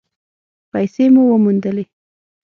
پیسې مو وموندلې؟